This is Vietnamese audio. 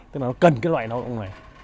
tức là nó cần cái loại lao động này